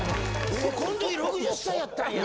えこの時６０歳やったんや！